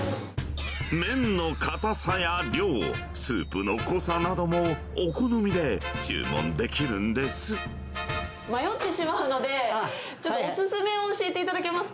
麺の硬さや量、スープの濃さ迷ってしまうので、ちょっとお勧めを教えていただけますか。